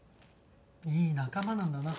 いい仲間なんだな。